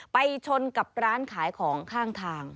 ไปชนกับร้านขายของข้างทาง